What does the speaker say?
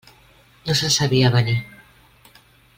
No se'n sabia avenir.